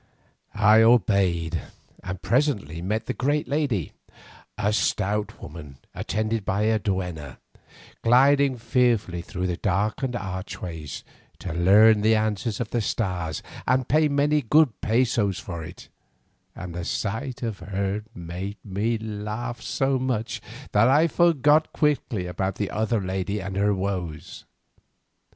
I obeyed, and presently met the great lady, a stout woman attended by a duenna, gliding fearfully through the darkened archways to learn the answer of the stars and pay many good pesos for it, and the sight of her made me laugh so much that I forgot quickly about the other lady and her woes.